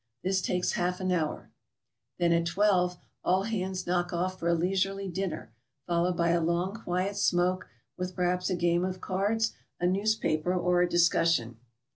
This takes half an hour. Then at 12 all hands knock off for a leisurely dinner, followed by a long, quiet smoke, with perhaps a game of cards, a newspaper or a dis cussion.